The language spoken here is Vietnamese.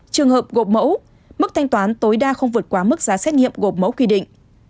trường hợp gộp mẫu mức thanh toán tối đa không vượt quá mức giá xét nghiệm gộp mẫu quy định